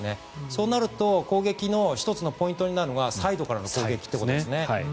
そうなると攻撃の１つのポイントになるのがサイドからの攻撃ということですね。